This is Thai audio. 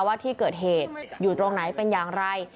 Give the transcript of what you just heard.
ว่าที่เกิดเหตุอยู่ตรงไหนเป็นอย่างไร